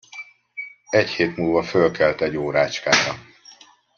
Egy hét múlva fölkelt egy órácskára.